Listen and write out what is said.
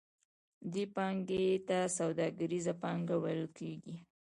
دې پانګې ته سوداګریزه پانګه ویل کېږي